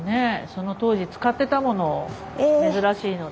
その当時使ってたものを珍しいので。